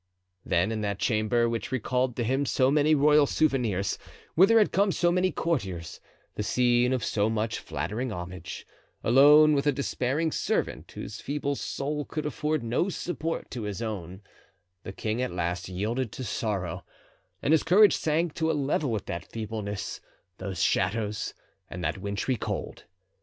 Then, in that chamber which recalled to him so many royal souvenirs, whither had come so many courtiers, the scene of so much flattering homage, alone with a despairing servant, whose feeble soul could afford no support to his own, the king at last yielded to sorrow, and his courage sank to a level with that feebleness, those shadows, and that wintry cold.